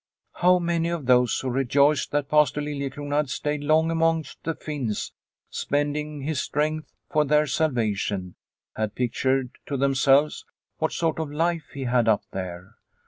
How many of those who rejoiced that Pastor Liliecrona had stayed long amongst the Finns, spending his strength for their salvation, had pictured to themselves what sort of a life he had up there